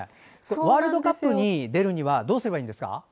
ワールドカップに出るにはどうすればいいんですか？